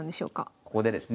ここでですね